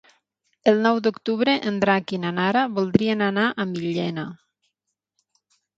El nou d'octubre en Drac i na Nara voldrien anar a Millena.